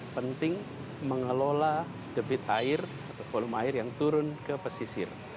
penting mengelola debit air atau volume air yang turun ke pesisir